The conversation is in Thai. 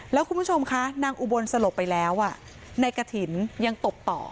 แล้วคุณผู้ชมคะนางอุบลสลบไปแล้วนายกฐินยังตบต่อ